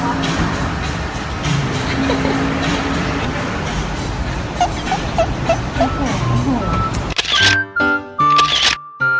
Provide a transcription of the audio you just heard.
มันเจ้าหญิงอาหลับเลยคะ